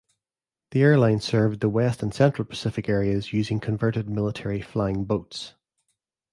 The airline served the west and central Pacific areas using converted military flying boats.